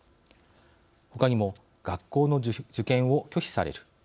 ほかにも学校の受験を拒否される。